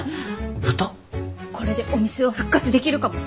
これでお店を復活できるかも！